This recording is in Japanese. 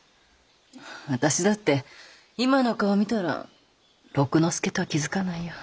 私だって今の顔を見たら六之助とは気付かないよ。